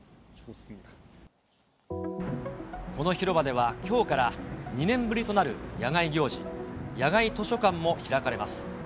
この広場では、きょうから２年ぶりとなる野外行事、野外図書館も開かれます。